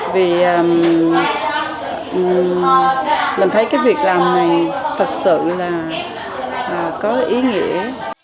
vì mình thấy cái việc làm này thật sự là có ý nghĩa